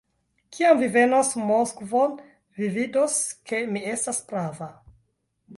Kiam vi venos Moskvon, vi vidos, ke mi estas prava.